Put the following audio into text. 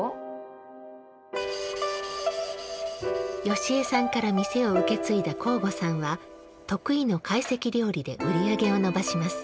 由江さんから店を受け継いだ向後さんは得意の懐石料理で売り上げを伸ばします。